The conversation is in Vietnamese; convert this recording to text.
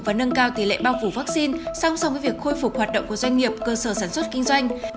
và nâng cao tỷ lệ bao phủ vaccine song song với việc khôi phục hoạt động của doanh nghiệp cơ sở sản xuất kinh doanh